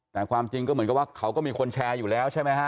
แต่ความจริงก็เหมือนกับว่าเขาก็มีคนแชร์อยู่แล้วใช่ไหมฮะ